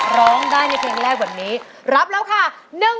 ร้องได้ในเพลงแรกวันนี้รับแล้วค่ะ